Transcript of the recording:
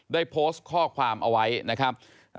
ได้โพสต์ข้อความเอาไว้นะครับ